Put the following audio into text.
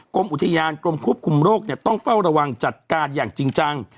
กรมอุทยานกรมควบคุมโรคต้องเฝ้าระวังจัดการอย่างจริงจัง